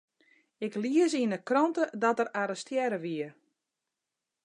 Ik lies yn 'e krante dat er arrestearre wie.